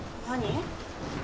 何？